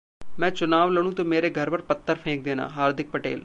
मैं चुनाव लड़ूं तो मेरे घर पर पत्थर फेंक देना: हार्दिक पटेल